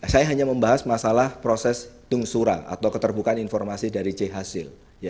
saya hanya membahas masalah proses tungsuran atau keterbukaan informasi dari j hasil